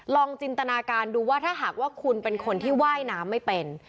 จินตนาการดูว่าถ้าหากว่าคุณเป็นคนที่ว่ายน้ำไม่เป็น